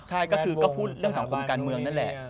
ใช่ก็คือก็พูดเรื่องสังคมการเมืองนั่นแหละ